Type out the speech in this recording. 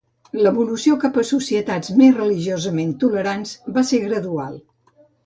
L'evolució cap a societats més religiosament tolerants va ser gradual.